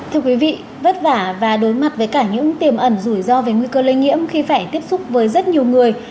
thưa quý vị vất vả và đối mặt với cả những tiềm ẩn rủi ro về nguy cơ lây nhiễm khi phải tiếp xúc với rất nhiều người